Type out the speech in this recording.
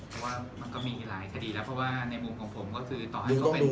เพราะว่ามันก็มีหลายคดีแล้วเพราะว่าในมุมของผมก็คือต่อให้เขาเป็น